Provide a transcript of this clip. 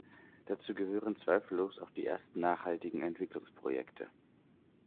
Dazu gehören zweifellos auch die ersten nachhaltigen Entwicklungsprojekte.